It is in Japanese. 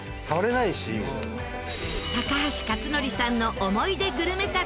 高橋克典さんの思い出グルメ旅